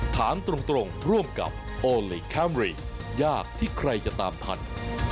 ถามตรงร่วมกับโอลี่คัมรี่ยากที่ใครจะตามทัน